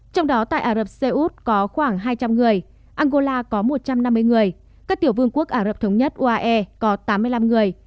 trong đó tại ả rập xê út có khoảng hai trăm linh người angola có một trăm năm mươi người các tiểu vương quốc ả rập thống nhất uae có tám mươi năm người